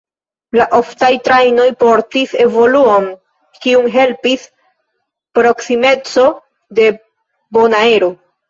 La oftaj trajnoj portis evoluon, kiun helpis proksimeco de Bonaero.